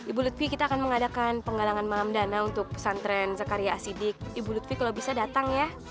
ibu lutfi kita akan mengadakan penggalangan malam dana untuk pesantren zakarya asidik ibu lutfi kalau bisa datang ya